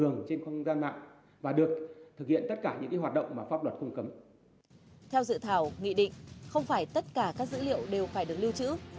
nghị định không phải tất cả các dữ liệu đều phải được lưu trữ